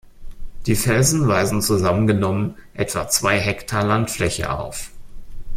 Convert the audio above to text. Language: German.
Die Felsen weisen zusammengenommen etwa zwei Hektar Landfläche auf.